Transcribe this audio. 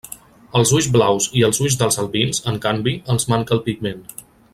Als ulls blaus i als ulls dels albins, en canvi, els manca el pigment.